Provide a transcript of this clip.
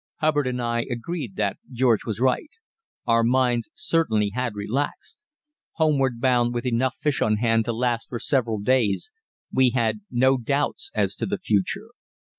Hubbard and I agreed that George was right. Our minds certainly had relaxed; homeward bound with enough fish on hand to last us for several days, we had no doubts as to the future.